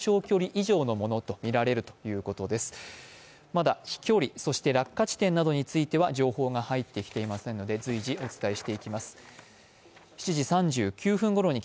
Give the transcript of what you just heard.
まだ飛距離、落下地点などについては情報が入ってきていませんので随時、お伝えしていきます。